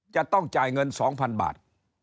จะต้องจ่ายเงินสองพันบาท